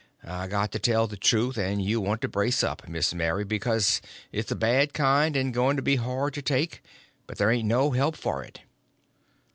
I got to tell the truth, and you want to brace up, Miss Mary, because it's a bad kind, and going to be hard to take, but there ain't no help for it.